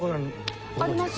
あります。